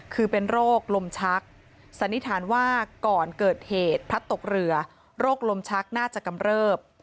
คือเป็นโรคลมชักสันนิษฐานว่าก่อนเกิดเหตุพลัดตกเรือโรคลมชักน่าจะกำเริบ